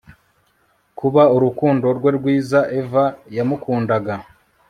Kuba urukundo rwe rwiza Eva yamukundaga